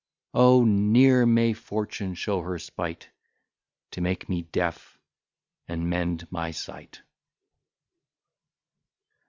O ne'er may Fortune show her spite, To make me deaf, and mend my sight!